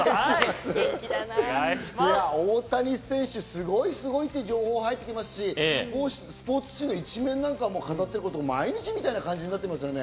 大谷選手、すごいすごい！って情報が入ってきますし、スポーツ紙一面なんか飾ってるの毎日みたいになってますね。